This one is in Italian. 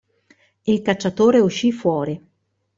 Il cacciatore uscì fuori.